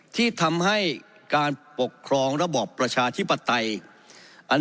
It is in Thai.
ที่ทำให้การปกครองระบอบประชาธิปไตย